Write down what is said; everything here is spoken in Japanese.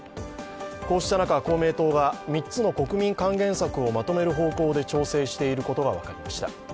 こうした中、公明党が３つの国民還元策をまとめる方向で調整していることが分かりました。